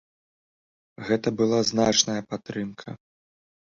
Гэта была значная падтрымка.